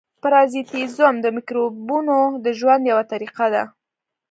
پرازیتېزم د مکروبونو د ژوند یوه طریقه ده.